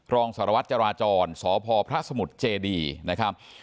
รองสารวัตรจราจรสพพระสมุทรเจดีนะครับ